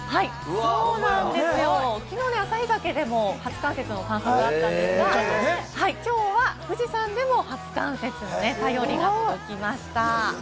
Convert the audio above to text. きのう旭岳だけでも初冠雪の記録があったんですが、富士山からも初冠雪の便りが届きました。